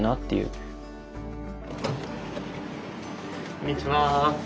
こんにちは。